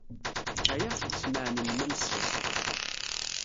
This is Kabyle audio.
Ɛyiɣ seg ussemɛen-nnem amessas.